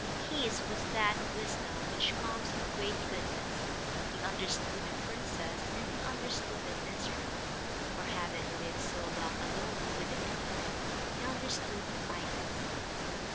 His was that wisdom which comes of great goodness. He understood the princess, and he understood the minstrel; for, having lived so long alone with the Infinite, he understood the Finite.